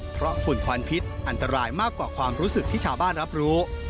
เพราะฝุ่นควันพิษอันตรายมากกว่าความรู้สึกที่ชาวบ้านรับรู้